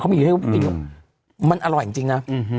เขามีให้พี่กินอื้อมันอร่อยจริงนะ